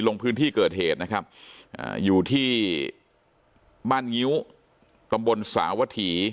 ลงพื้นที่เกิดเหตุนะครับอยู่ที่บ้านงิ้วตำบลสาวถี